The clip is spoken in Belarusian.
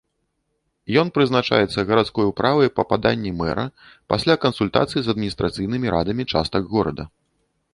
Ён прызначаецца гарадской управай па паданні мэра пасля кансультацый з адміністрацыйнымі радамі частак горада.